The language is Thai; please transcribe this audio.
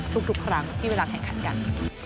ทุกครั้งที่เวลาแข่งขันกัน